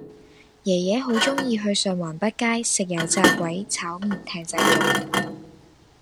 爺爺好鍾意去上環畢街食油炸鬼炒麵艇仔粥